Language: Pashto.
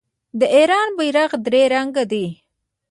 د ایران بیرغ درې رنګه دی.